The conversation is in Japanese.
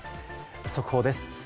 速報です。